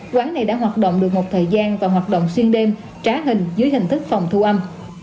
quán này đã hoạt động được một thời gian và hoạt động xuyên đêm trá hình dưới hình thức phòng thu âm